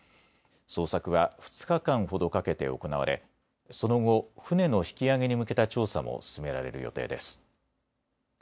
捜索は２日間ほどかけて行われ、その後、船の引き揚げに向けた調査も進められる予定です。